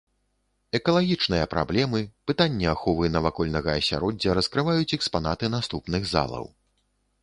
Экалагічныя праблемы, пытанні аховы навакольнага асяроддзя раскрываюць экспанаты наступных залаў.